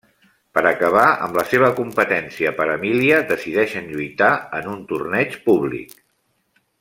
Per acabar amb la seva competència per Emília, decideixen lluitar en un torneig públic.